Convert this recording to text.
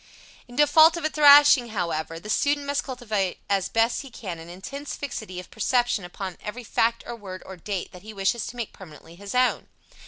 In default of a thrashing, however, the student must cultivate as best he can an intense fixity of perception upon every fact or word or date that he wishes to make permanently his own.